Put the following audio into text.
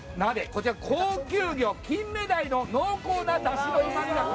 こちら、高級魚キンメダイの濃厚なだしのうまみ